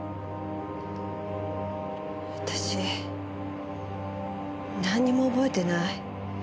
私なんにも覚えてない。